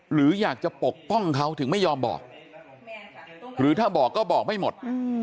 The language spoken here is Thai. หรืออยากจะปกป้องเขาถึงไม่ยอมบอกหรือถ้าบอกก็บอกไม่หมด